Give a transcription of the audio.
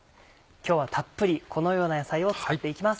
今日はたっぷりこのような野菜を使って行きます。